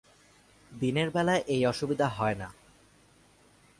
দিনের বেলা এই অসুবিধা হয় না।